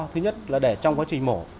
thứ nhất là để trong quá trình mổ